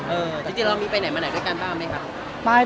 จริงเรามีไปไหนมาไหนด้วยกันบ้างไหมครับ